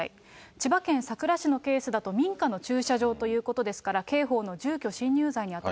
千葉県佐倉市のケースだと、民家の駐車場ということですから、刑法の住居侵入罪にあ